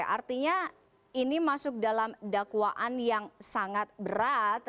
artinya ini masuk dalam dakwaan yang sangat berat